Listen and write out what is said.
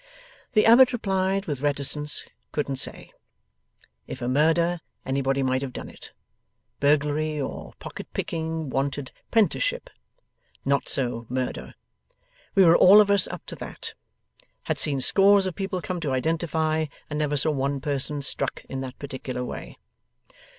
The Abbot replied with reticence, couldn't say. If a murder, anybody might have done it. Burglary or pocket picking wanted 'prenticeship. Not so, murder. We were all of us up to that. Had seen scores of people come to identify, and never saw one person struck in that particular way.